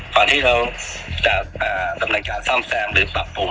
ก่อนที่เราจะดำเนินการซ่อมแซมหรือปรับปรุง